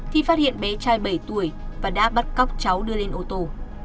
thì phát hiện bé trai bảy tuổi và đã bắt cóc cháu đưa lên ô tô